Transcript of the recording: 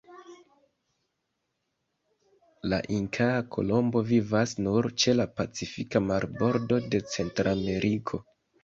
La Inkaa kolombo vivas nur ĉe la Pacifika marbordo de Centrameriko.